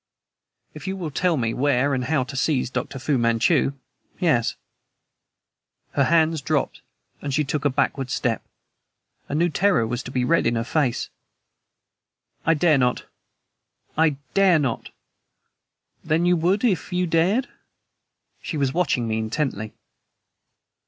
"If you will tell me where and how to seize Dr. Fu Manchu yes." Her hands dropped and she took a backward step. A new terror was to be read in her face. "I dare not! I dare not!" "Then you would if you dared?" She was watching me intently.